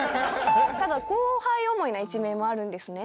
ただ後輩思いな一面もあるんですね。